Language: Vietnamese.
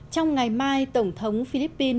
trong ngày mai tổng thống philippines